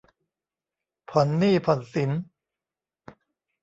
ผ่อนหนี้ผ่อนสิน